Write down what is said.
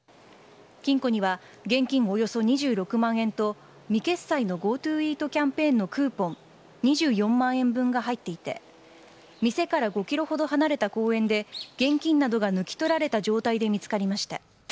金庫には、現金およそ２６万円と未掲載の、ＧｏＴｏイートキャンペーンのクーポン２４万円分が入っていて店から５ｋｍほど離れた公園で現金などが抜き取られた状態で見つかりました。